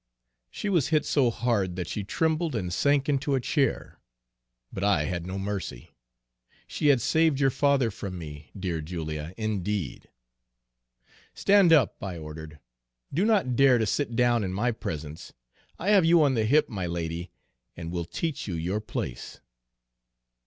"She was hit so hard that she trembled and sank into a chair. But I had no mercy she had saved your father from me 'dear Julia,' indeed! "'Stand up,' I ordered. 'Do not dare to sit down in my presence. I have you on the hip, my lady, and will teach you your place.'